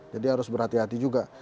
jadi harus berhati hati juga